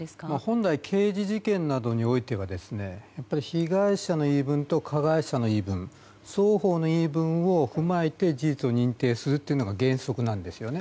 本来刑事事件などにおいては被害者の言い分と加害者の言い分双方の言い分を踏まえて事実を認定するというのが原則なんですよね。